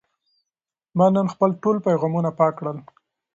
ما نن خپل ټول پیغامونه پاک کړل.